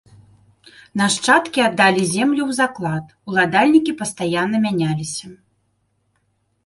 Нашчадкі аддалі землі ў заклад, уладальнікі пастаянна мяняліся.